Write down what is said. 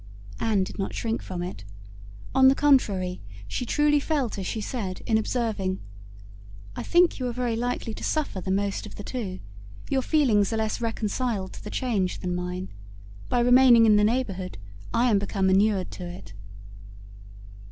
Anne did not shrink from it; on the contrary, she truly felt as she said, in observing— "I think you are very likely to suffer the most of the two; your feelings are less reconciled to the change than mine. By remaining in the neighbourhood, I am become inured to it."